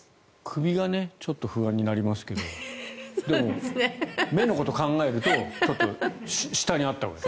首がちょっと不安になりますけどでも、目のことを考えるとちょっと下にあったほうが。